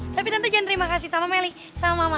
tapi tante jangan terima kasih sama melly sama mama